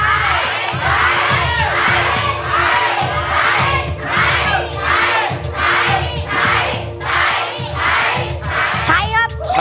ใช้ใช้ใช้ใช้ใช้ใช้ใช้ใช้ใช้